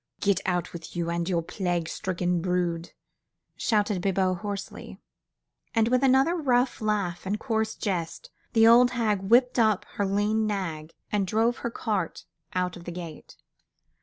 "Get out with you and with your plague stricken brood!" shouted Bibot, hoarsely. And with another rough laugh and coarse jest, the old hag whipped up her lean nag and drove her cart out of the gate.